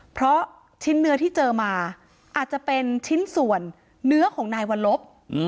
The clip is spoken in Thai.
เพราะชิ้นเนื้อที่เจอมาอาจจะเป็นชิ้นส่วนเนื้อของนายวัลลบ